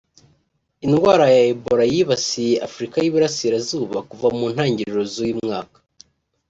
Indwara ya Ebola yibasiye Afurika y’Uburasirazuba kuva mu ntangiriro z’uyu mwaka